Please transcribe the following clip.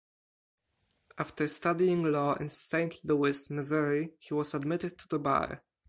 After studying law in Saint Louis, Missouri, he was admitted to the bar.